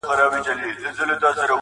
پرون دي بيا راته غمونه راكړل.